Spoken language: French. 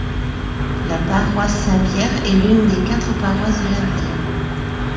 La paroisse Saint-Pierre est l'une des quatre paroisses de la ville.